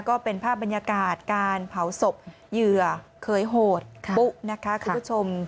ก็เป็นภาพบรรยากาศการเผาศพเหยื่อเคยโหดปุ๊นะคะคุณผู้ชม